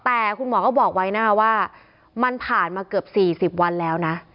แต่คุณหมอก็บอกไว้นะคะว่ามันผ่านมาเกือบ๔๐วันแล้วนะ